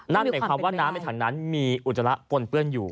นั่นหมายความว่าน้ำในถังนั้นมีอุจจาระปนเปื้อนอยู่